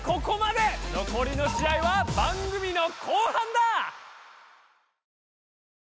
のこりの試合は番組の後半だ！